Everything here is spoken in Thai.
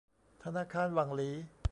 ธนาคารหวั่งหลี